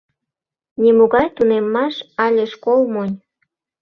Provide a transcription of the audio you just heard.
Нимогай тунеммаш але школ монь...»